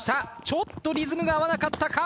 ちょっとリズムが合わなかったか？